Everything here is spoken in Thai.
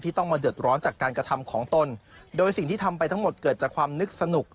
ต้องมาเดือดร้อนจากการกระทำของตนโดยสิ่งที่ทำไปทั้งหมดเกิดจากความนึกสนุก